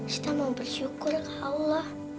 kita mau bersyukur ke allah